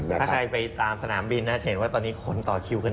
ถ้าใครไปตามสนามบินนะจะเห็นว่าตอนนี้คนต่อคิวกัน